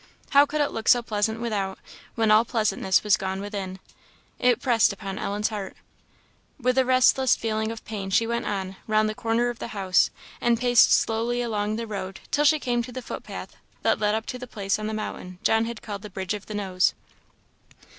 How could it look so pleasant without, when all pleasantness was gone within? It pressed upon Ellen's heart. With a restless feeling of pain, she went on, round the corner of the house, and paced slowly along the road till she came to the footpath that led up to the place on the mountain John had called the Bridge of the Nose.